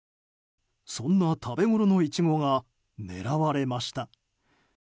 そんな食べ物のイチゴが狙われました。